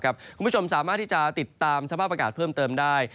คุณผู้ชมสามารถที่จะติดตามสภาพอากาศเพิ่มเติมได้